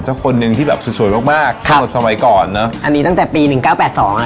สักคนหนึ่งที่แบบสวยสวยมากมากสมัยก่อนเนอะอันนี้ตั้งแต่ปีหนึ่งเก้าแปดสองอ่ะ